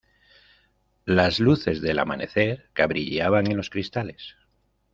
las luces del amanecer cabrilleaban en los cristales.